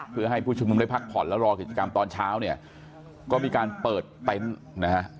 เพื่อให้ผู้ชุมนุมได้พักผ่อนแล้วรอกิจกรรมตอนเช้าเนี่ยก็มีการเปิดเต็นต์นะฮะ